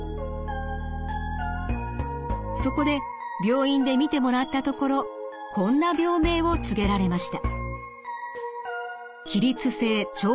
そこで病院で診てもらったところこんな病名を告げられました。